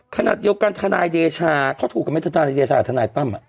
ขณะเดี๋ยวกันทนายเดชาเขาถูกกับไม่ถูกกับทนายเดชาหรือทนายตั้มอ่ะ